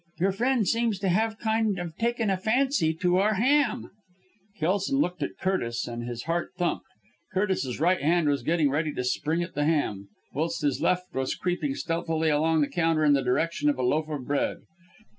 Your friend seems to have kind of taken a fancy to our ham!" Kelson looked at Curtis and his heart thumped. Curtis's right hand was getting ready to spring at the ham, whilst his left was creeping stealthily along the counter in the direction of a loaf of bread.